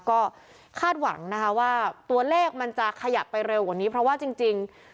ก็คาดหวังนะคะว่าตัวเลขมันจะขยับไปเร็วกว่านี้เพราะว่าจริง